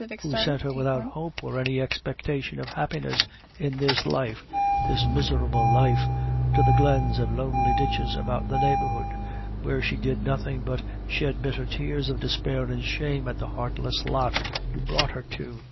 Who sent her, without hope, or any expectation of happiness in this life this miserable life to the glens and lonely ditches about the neighborhood, where she did nothing but shed blither tears of despair and shame at the heartless lot you brought her to?